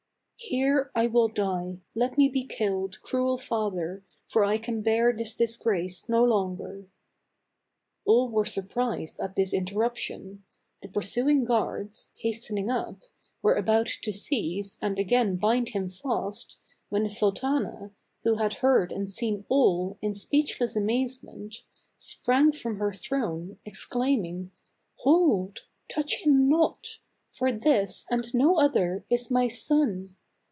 " Here will I die ; let me be killed, cruel father, for I can bear this disgrace no longer !" All were surprised at this interruption ; the pursuing guards, hastening up, were about to THE CAB AVAN. 207 seize and again bind him fast when the sultana, who had heard and seen all in speechless amaze ment, sprang from her throne exclaiming, "Hold! touch him not ; for this, and no other, is my son.